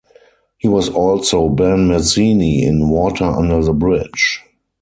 He was also Ben Mazzini in "Water Under The Bridge".